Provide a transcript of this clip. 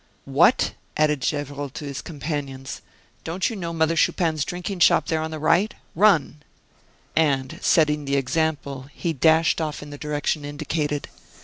"What!" added Gevrol to his companions, "don't you know Mother Chupin's drinking shop there on the right. Run." And, setting the example, he dashed off in the direction indicated.